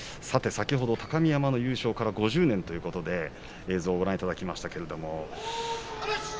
高見山の優勝から５０年というところで映像をご覧いただきました。